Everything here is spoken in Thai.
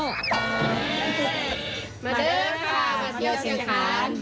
มาเด้อค่ะมาเที่ยวเชียงคาร